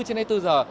chúng ta đặt sẵn